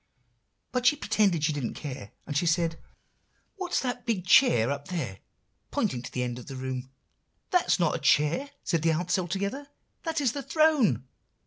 But she pretended she didn't care; and she said, 'What's that big chair up there?' pointing to the end of the long room. "'That is not a chair,' said the ants all together, 'that is the throne.